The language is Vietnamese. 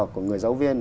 của người giáo viên